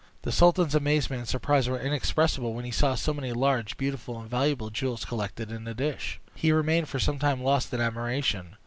The sultan's amazement and surprise were inexpressible when he saw so many large, beautiful, and valuable jewels collected in the dish. He remained for some time lost in admiration.